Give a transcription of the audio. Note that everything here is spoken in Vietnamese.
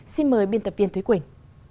xin mời biên tập viên thúy quỳnh